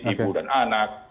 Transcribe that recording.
ibu dan anak